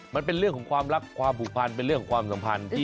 มันเป็นเรื่องของความรักความผูกพันเป็นเรื่องของความสัมพันธ์